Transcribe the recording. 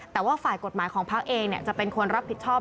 แต่ว่าฝ่ายกฎหมายของพักเองจะเป็นคนรับผิดชอบ